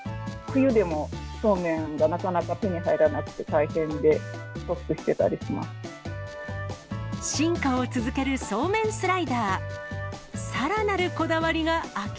冬でも、そうめんがなかなか手に入らなくて大変で、ストックしてたりしま進化を続けるそうめんスライダー。